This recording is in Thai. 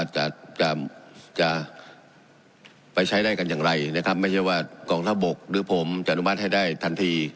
จะจะไปใช้ได้กันอย่างไรนะครับไม่ใช่ว่ากองทัพบกหรือผมจะอนุมัติให้ได้ทันที